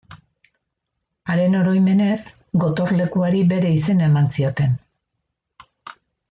Haren oroimenez, gotorlekuari bere izena eman zioten.